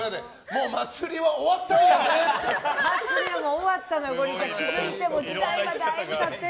もう祭りは終わったんやでって。